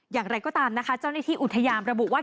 อย่างไรก็ตามนะคะเจ้าหน้าที่อุทยานระบุว่า